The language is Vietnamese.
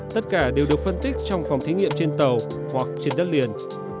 tất cả đều được phân tích trong phòng thí nghiệm trên tàu hoặc trên đất liền